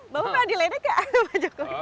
bapak pernah diledek nggak pak jokowi